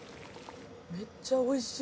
めっちゃおいしい！